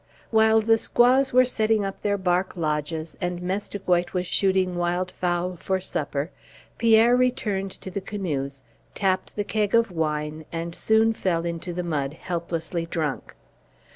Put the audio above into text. While the squaws were setting up their bark lodges, and Mestigoit was shooting wild fowl for supper, Pierre returned to the canoes, tapped the keg of wine, and soon fell into the mud, helplessly drunk.